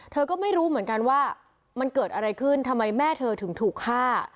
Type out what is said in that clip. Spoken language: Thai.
เธอก็ไม่รู้เหมือนกันว่ามันเกิดอะไรขึ้นทำไมแม่เธอถึงถูกฆ่า